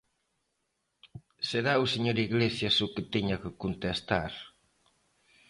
Será o señor Iglesias o que teña que contestar.